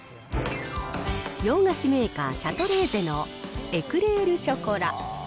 洋菓子メーカー、シャトレーゼのエクレール・ショコラ。